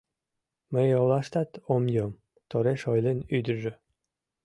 — Мый олаштат ом йом, — тореш ойлен ӱдыржӧ.